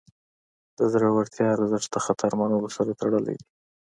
د زړورتیا ارزښت د خطر منلو سره تړلی دی.